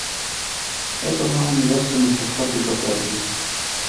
É coma un universo microscópico propio.